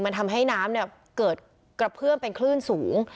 มันทำให้น้ำเกิดกระเพื่อมเป็นคลื่นสูง